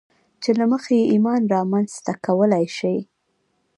چې له مخې يې ايمان رامنځته کولای شئ.